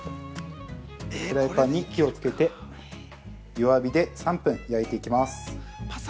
◆フライパンに火をつけて弱火で３分、焼いていきます。